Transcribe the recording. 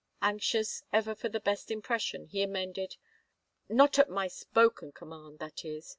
Anxious ever for the best impression, he amended, " Not at my spoken command, that is.